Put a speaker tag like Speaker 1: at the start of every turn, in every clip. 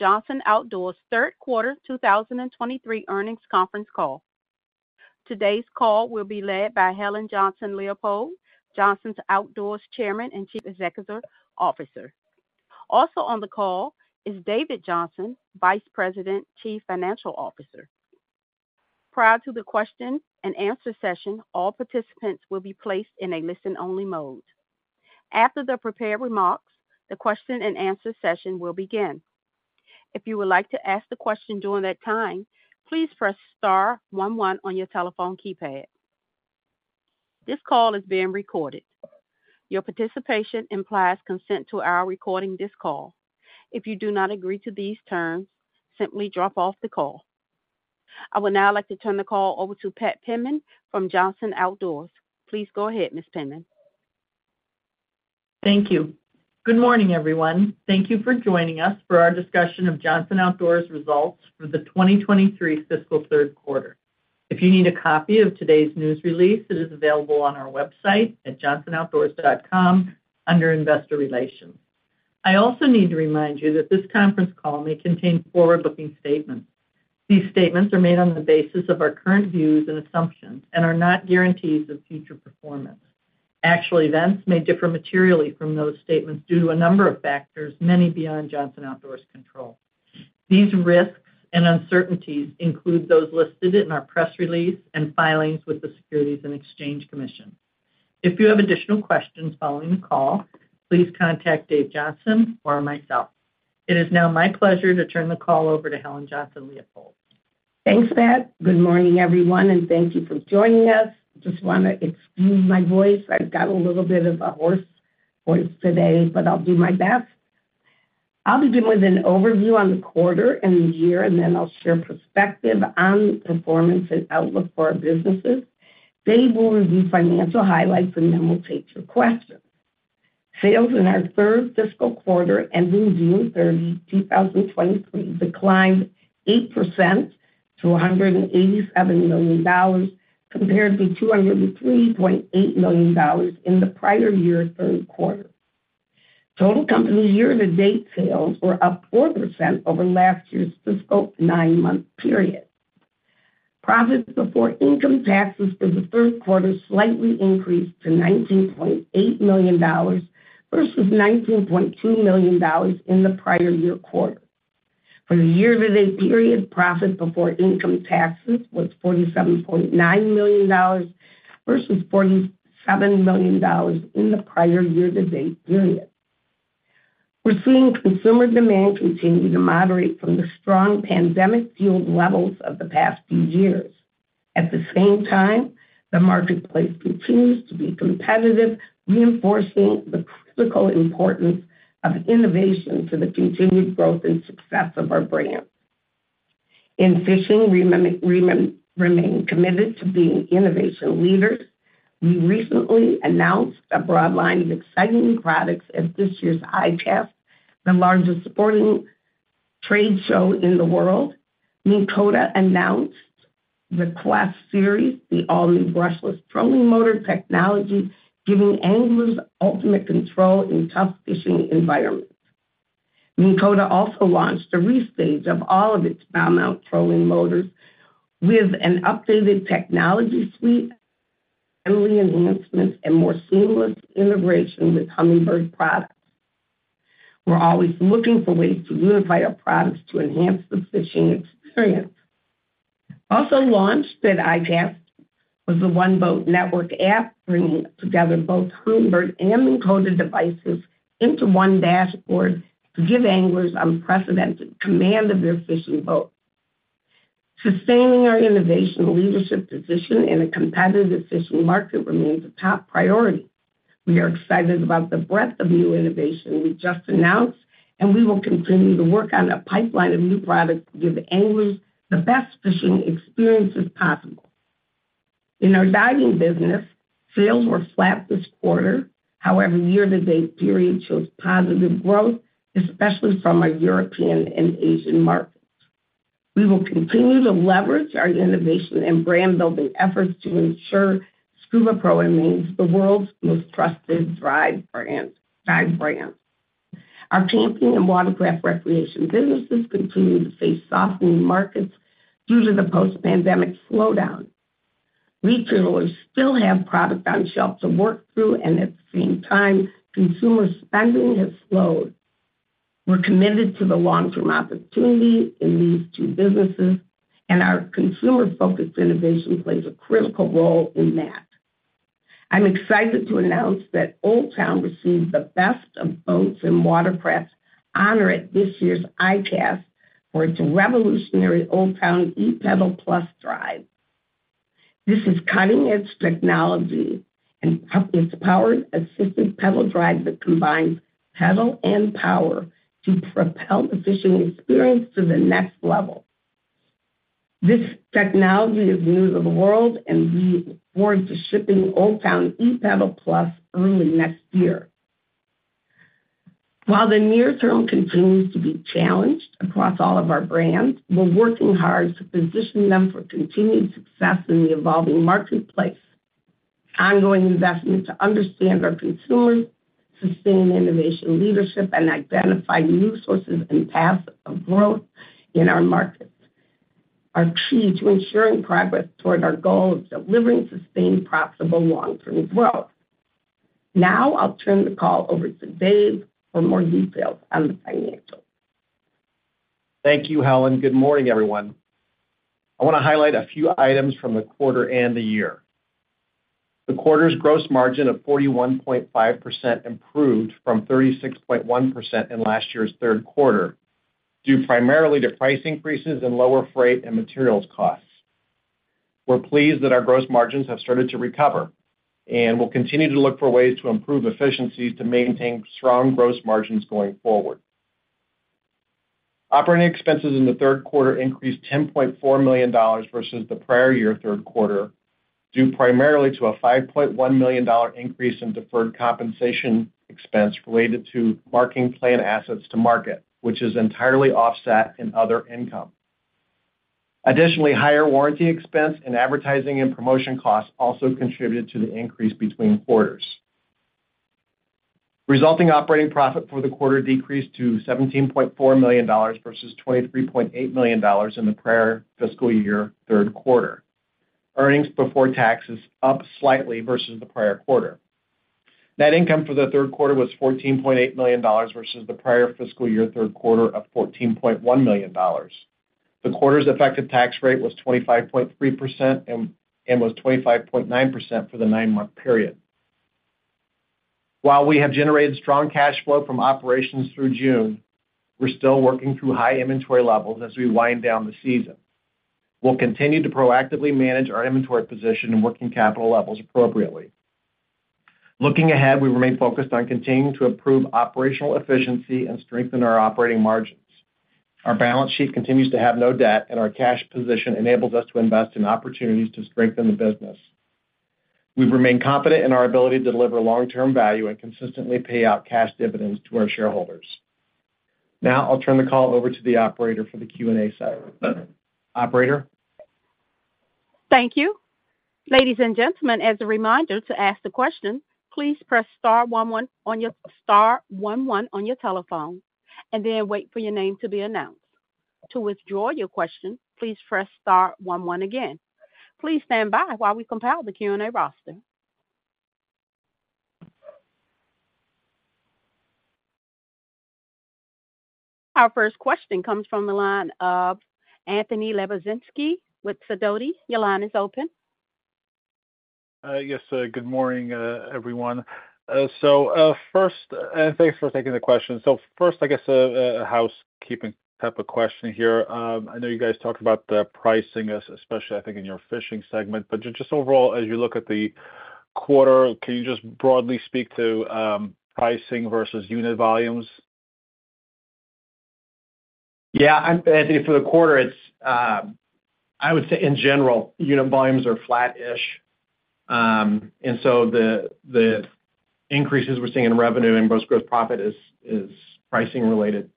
Speaker 1: Johnson Outdoors Q3 2023 earnings conference call. Today's call will be led by Helen Johnson-Leipold, Johnson Outdoors Chairman and Chief Executive Officer. Also on the call is David Johnson, Vice President, Chief Financial Officer. Prior to the question and answer session, all participants will be placed in a listen-only mode. After the prepared remarks, the question-and-answer session will begin. If you would like to ask the question during that time, please press star 11 on your telephone keypad. This call is being recorded. Your participation implies consent to our recording this call. If you do not agree to these terms, simply drop off the call. I would now like to turn the call over to Pat Penman from Johnson Outdoors. Please go ahead, Ms. Penman.
Speaker 2: Thank you. Good morning, everyone. Thank you for joining us for our discussion of Johnson Outdoors results for the 2023 fiscal Q3. If you need a copy of today's news release, it is available on our website at johnsonoutdoors.com under Investor Relations. I also need to remind you that this conference call may contain forward-looking statements. These statements are made on the basis of our current views and assumptions and are not guarantees of future performance. Actual events may differ materially from those statements due to a number of factors, many beyond Johnson Outdoors's control. These risks and uncertainties include those listed in our press release and filings with the Securities and Exchange Commission. If you have additional questions following the call, please contact David Johnson or myself. It is now my pleasure to turn the call over to Helen Johnson-Leipold.
Speaker 1: Thanks, Pat. Good morning, everyone, and thank you for joining us. Just wanna excuse my voice. I've got a little bit of a hoarse voice today, but I'll do my best. I'll begin with an overview on the quarter and the year, and then I'll share perspective on the performance and outlook for our businesses. Dave will review financial highlights, and then we'll take your questions. Sales in our third fiscal quarter, ending June 30, 2023, declined 8% to $187 million, compared to $203.8 million in the prior year Q3. Total company year-to-date sales were up 4% over last year's fiscal 9-month period. Profits before income taxes for the Q3 slightly increased to $19.8 million versus $19.2 million in the prior year quarter. For the year-to-date period, profit before income taxes was $47.9 million versus $47 million in the prior year-to-date period. We're seeing consumer demand continue to moderate from the strong pandemic-fueled levels of the past few years. At the same time, the marketplace continues to be competitive, reinforcing the critical importance of innovation to the continued growth and success of our brands. In fishing, remain committed to being innovation leaders. We recently announced a broad line of exciting products at this year's ICAST, the largest sporting trade show in the world. Minn Kota announced the QUEST Series, the all-new brushless trolling motor technology, giving anglers ultimate control in tough fishing environments. Minn Kota also launched a restage of all of its bow-mount trolling motors with an updated technology suite and enhancements and more seamless integration with Humminbird products. We're always looking for ways to unify our products to enhance the fishing experience. Also launched at ICAST was the One-Boat Network app, bringing together both Humminbird and Minn Kota devices into one dashboard to give anglers unprecedented command of their fishing boat. Sustaining our innovation leadership position in a competitive fishing market remains a top priority. We are excited about the breadth of new innovation we just announced, and we will continue to work on a pipeline of new products to give anglers the best fishing experiences possible. In our diving business, sales were flat this quarter. However, year-to-date period shows positive growth, especially from our European and Asian markets. We will continue to leverage our innovation and brand-building efforts to ensure SCUBAPRO remains the world's most trusted dive brand, dive brand. Our camping and watercraft recreation businesses continue to face softening markets due to the post-pandemic slowdown. Retailers still have product on shelf to work through, and at the same time, consumer spending has slowed. We're committed to the long-term opportunity in these two businesses. Our consumer-focused innovation plays a critical role in that. I'm excited to announce that Old Town received the Best Boat or Watercraft honor at this year's ICAST for its revolutionary Old Town ePDL+ drive. This is cutting-edge technology and it's a powered assisted pedal drive that combines pedal and power to propel the fishing experience to the next level. This technology is new to the world. We forward to shipping Old Town ePDL+ early next year. While the near term continues to be challenged across all of our brands, we're working hard to position them for continued success in the evolving marketplace. ongoing investment to understand our consumers, sustain innovation, leadership, and identify new sources and paths of growth in our markets are key to ensuring progress toward our goal of delivering sustained, profitable long-term growth. I'll turn the call over to David for more details on the financials.
Speaker 3: Thank you, Helen. Good morning, everyone. I wanna highlight a few items from the quarter and the year. The quarter's gross margin of 41.5% improved from 36.1% in last year's Q3, due primarily to price increases and lower freight and materials costs. We're pleased that our gross margins have started to recover, and we'll continue to look for ways to improve efficiencies to maintain strong gross margins going forward. Operating expenses in the Q3 increased $10.4 million versus the prior year Q3, due primarily to a $5.1 million increase in deferred compensation expense related to marking plan assets to market, which is entirely offset in other income. Additionally, higher warranty expense and advertising and promotion costs also contributed to the increase between quarters. Resulting operating profit for the quarter decreased to $17.4 million versus $23.8 million in the prior fiscal year Q3. Earnings before tax is up slightly versus the prior quarter. Net income for the Q3 was $14.8 million versus the prior fiscal year Q3 of $14.1 million. The quarter's effective tax rate was 25.3% and was 25.9% for the nine-month period. While we have generated strong cash flow from operations through June, we're still working through high inventory levels as we wind down the season. We'll continue to proactively manage our inventory position and working capital levels appropriately. Looking ahead, we remain focused on continuing to improve operational efficiency and strengthen our operating margins. Our balance sheet continues to have no debt. Our cash position enables us to invest in opportunities to strengthen the business. We've remained confident in our ability to deliver long-term value and consistently pay out cash dividends to our shareholders. Now, I'll turn the call over to the operator for the Q&A session. Operator?
Speaker 4: Thank you. Ladies and gentlemen, as a reminder, to ask the question, please press star one, one on your star one, one on your telephone, and then wait for your name to be announced. To withdraw your question, please press star one, one again. Please stand by while we compile the Q&A roster. Our first question comes from the line of Anthony Lebiedzinski with Sidoti. Your line is open.
Speaker 5: Yes, good morning, everyone. First, and thanks for taking the question. First, I guess, a, a housekeeping type of question here. I know you guys talked about the pricing, especially, I think, in your fishing segment, but just overall, as you look at the quarter, can you just broadly speak to pricing versus unit volumes?
Speaker 3: For the quarter it's, I would say in general, unit volumes are flat-ish. The, the increases we're seeing in revenue and gross profit is, is pricing related.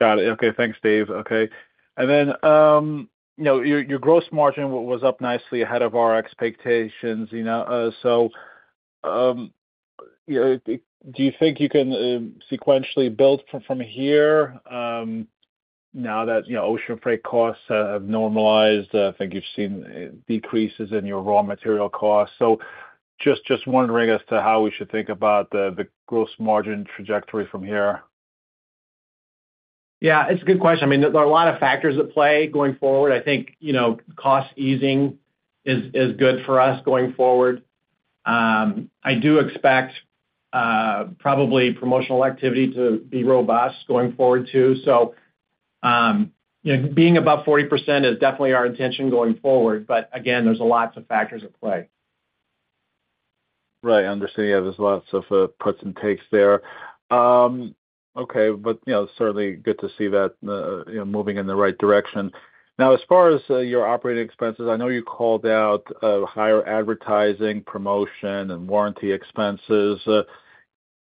Speaker 5: Got it. Okay, thanks, David. Okay. Then, you know, your, your gross margin was up nicely ahead of our expectations, you know, so, you know, do you think you can, sequentially build from, from here, now that, you know, ocean freight costs have normalized? I think you've seen decreases in your raw material costs. Just, just wondering as to how we should think about the, the gross margin trajectory from here.
Speaker 3: Yeah, it's a good question. I mean, there are a lot of factors at play going forward. I think, you know, cost easing is, is good for us going forward. I do expect, probably promotional activity to be robust going forward, too. Being above 40% is definitely our intention going forward, but again, there's a lots of factors at play.
Speaker 5: Right. I understand. Yeah, there's lots of puts and takes there. Okay, but, you know, certainly good to see that, you know, moving in the right direction. As far as your operating expenses, I know you called out higher advertising, promotion, and warranty expenses.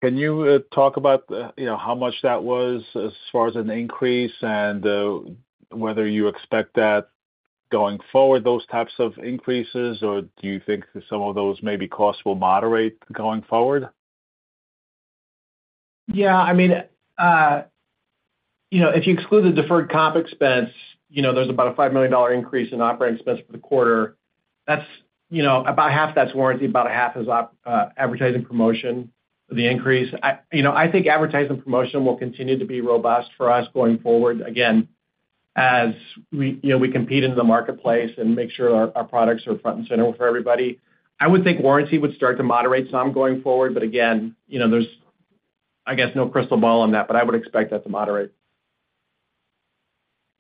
Speaker 5: Can you talk about, you know, how much that was as far as an increase and whether you expect that going forward, those types of increases, or do you think some of those maybe costs will moderate going forward?
Speaker 3: If you exclude the deferred comp expense, you know, there's about a $5 million increase in operating expense for the quarter. That's, you know, about half that's warranty, about a half is advertising promotion, the increase. I, you know, I think advertising promotion will continue to be robust for us going forward. Again, as we, you know, we compete in the marketplace and make sure our, our products are front and center for everybody. I would think warranty would start to moderate some going forward, but again, you know, there's, I guess, no crystal ball on that, but I would expect that to moderate.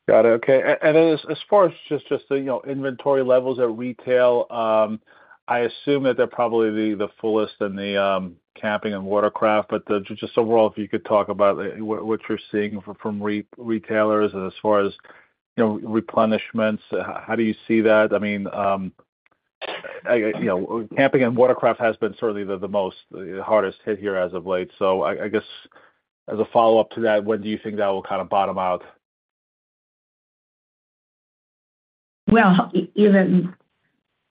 Speaker 5: Got it. Okay. Then as far as just, just the, you know, inventory levels at retail, I assume that they're probably the fullest in the camping and watercraft, but just overall, if you could talk about what you're seeing from retailers and as far as, you know, replenishments, how do you see that? I mean, you know, camping and watercraft has been certainly the most, the hardest hit here as of late. I, I guess as a follow-up to that, when do you think that will kind of bottom out?
Speaker 1: Well, even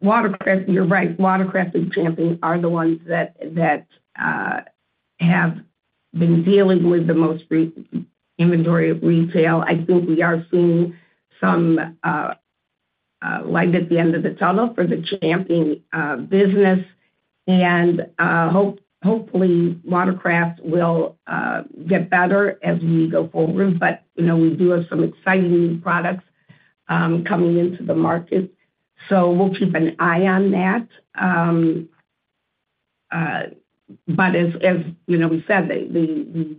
Speaker 1: Watercraft, you're right, Watercraft and Cannon are the ones that have been dealing with the most inventory of retail. I think we are seeing some light at the end of the tunnel for the Cannon business. Hopefully, Watercraft will get better as we go forward. You know, we do have some exciting new products coming into the market, so we'll keep an eye on that. As, you know, we said,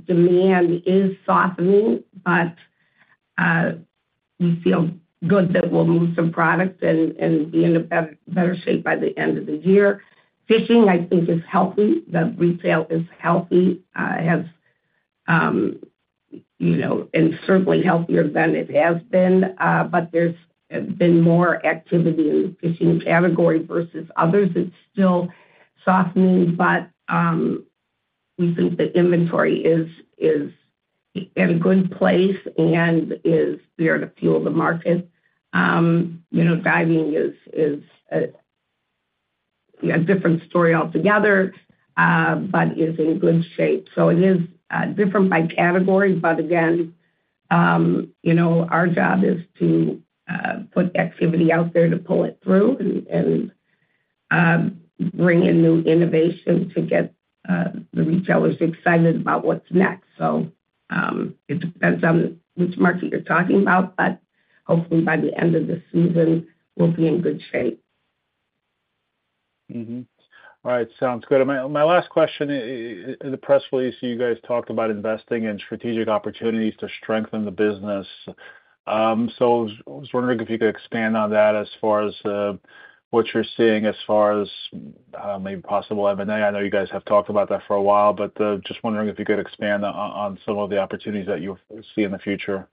Speaker 1: demand is softening, but we feel good that we'll move some product and be in a better, better shape by the end of the year. Fishing, I think, is healthy. The retail is healthy, you know, certainly healthier than it has been, there's been more activity in fishing category versus others. It's still softening, but we think the inventory is in a good place and is there to fuel the market. diving is a different story altogether, but is in good shape. It is different by category, but again, you know, our job is to put activity out there to pull it through and, and bring in new innovation to get the retailers excited about what's next. It depends on which market you're talking about, but hopefully by the end of the season, we'll be in good shape.
Speaker 5: Mm-hmm. All right, sounds good. My, my last question, in the press release, you guys talked about investing in strategic opportunities to strengthen the business. I was wondering if you could expand on that as far as what you're seeing as far as maybe possible M&A. I know you guys have talked about that for a while, just wondering if you could expand on some of the opportunities that you see in the future.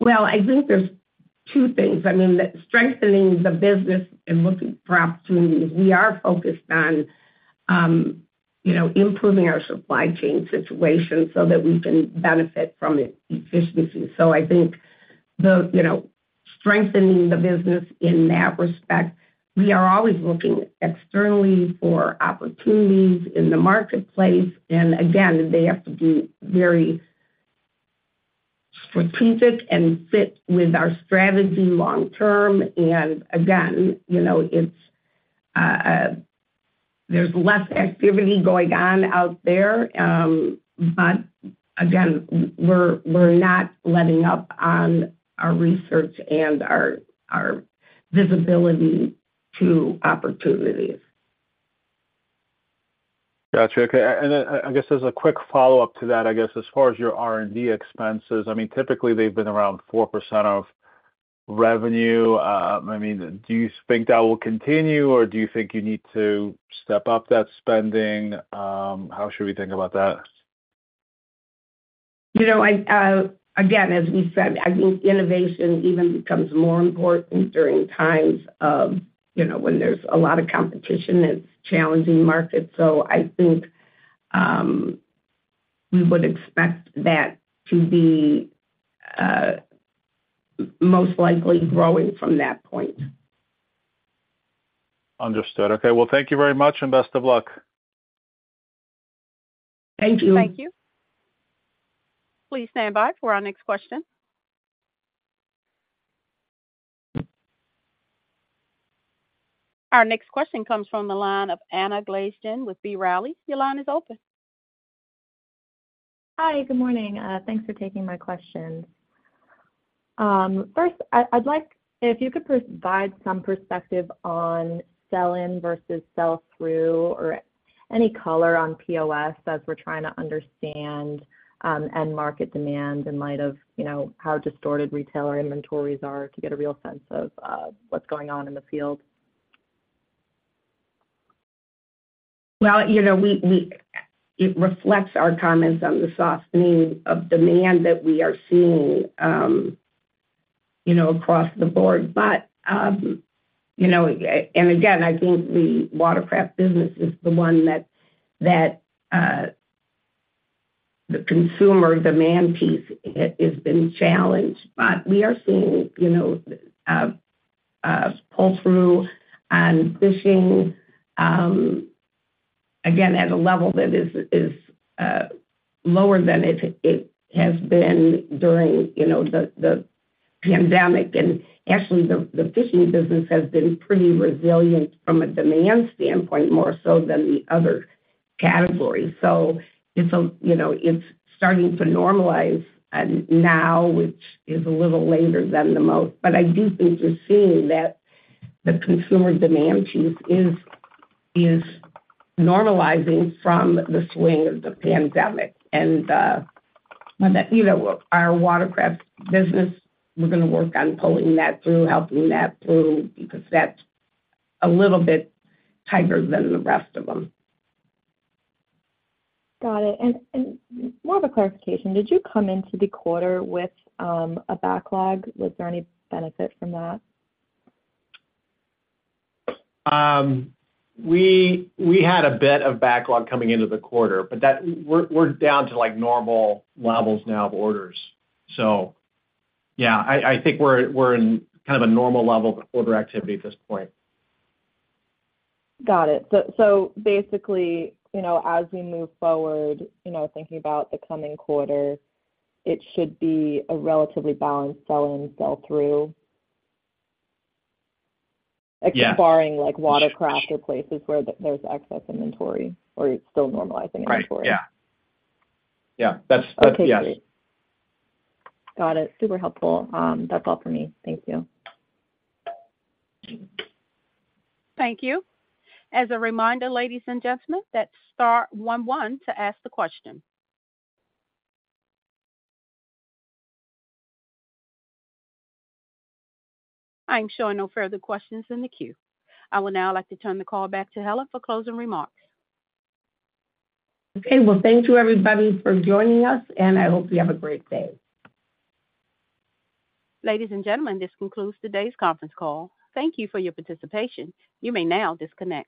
Speaker 1: Well, I think there's two things. I mean, strengthening the business and looking for opportunities, we are focused on, you know, improving our supply chain situation so that we can benefit from its efficiency. I think the, you know, strengthening the business in that respect, we are always looking externally for opportunities in the marketplace. Again, they have to be very strategic and fit with our strategy long term. Again, it's, there's less activity going on out there. Again, we're, we're not letting up on our research and our, our visibility to opportunities.
Speaker 5: Got you. Okay, and, I guess as a quick follow-up to that, I guess as far as your R&D expenses, typically they've been around 4% of revenue. I mean, do you think that will continue, or do you think you need to step up that spending? How should we think about that?
Speaker 1: You know, I, again, as we said, I think innovation even becomes more important during times of, you know, when there's a lot of competition and challenging markets. I think, we would expect that to be, most likely growing from that point.
Speaker 5: Understood. Okay, well, thank you very much, and best of luck.
Speaker 1: Thank you.
Speaker 4: Thank you. Please stand by for our next question. Our next question comes from the line of Anna Glaessgen with B. Riley. Your line is open.
Speaker 6: Hi, good morning. Thanks for taking my question. First, if you could provide some perspective on sell-in versus sell-through or any color on POS, as we're trying to understand, end market demand in light of, you know, how distorted retailer inventories are to get a real sense of, what's going on in the field.
Speaker 1: Well it reflects our comments on the softening of demand that we are seeing, you know, across the board. You know, and again, I think the Watercraft business is the one that, that, the consumer demand piece has, has been challenged. We are seeing, you know, pull-through on fishing, again, at a level that is, is, lower than it has been during, you the pandemic. Actually, the fishing business has been pretty resilient from a demand standpoint, more so than the other categories. It's a, you know, it's starting to normalize, and now, which is a little later than the most. I do think we're seeing that the consumer demand piece is, is normalizing from the swing of the pandemic. That, you know, our Watercraft business, we're going to work on pulling that through, helping that through, because that's a little bit tighter than the rest of them.
Speaker 6: Got it. More of a clarification, did you come into the quarter with a backlog? Was there any benefit from that?
Speaker 5: We had a bit of backlog coming into the quarter. We're, we're down to, like, normal levels now of orders. Yeah, I, I think we're, we're in kind of a normal level of order activity at this point.
Speaker 6: Got it. So basically, you know, as we move forward, you know, thinking about the coming quarter, it should be a relatively balanced sell-in, sell-through?
Speaker 5: Yeah.
Speaker 6: Excluding, like, Watercraft or places where there's excess inventory or it's still normalizing inventory.
Speaker 5: Right, that's, yes.
Speaker 6: Got it. Super helpful. That's all for me. Thank you.
Speaker 4: Thank you. As a reminder, ladies and gentlemen, that's star one one to ask the question. I'm showing no further questions in the queue. I would now like to turn the call back to Helen for closing remarks.
Speaker 1: Okay. Well, thank you, everybody, for joining us, and I hope you have a great day.
Speaker 4: Ladies and gentlemen, this concludes today's conference call. Thank you for your participation. You may now disconnect.